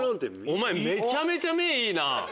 お前めちゃめちゃ目いいな！